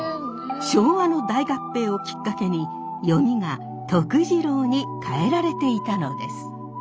昭和の大合併をきっかけに読みがとくじろうに変えられていたのです。